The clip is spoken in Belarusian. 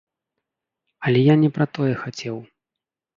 Але я не пра тое хацеў.